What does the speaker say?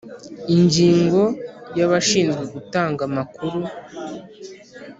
Ingingo ya Abashinzwe gutanga amakuru